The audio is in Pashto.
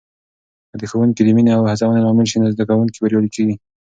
که ښوونکې د مینې او هڅونې لامل سي، نو زده کوونکي بریالي کېږي.